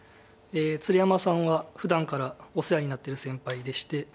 鶴山さんはふだんからお世話になってる先輩でして。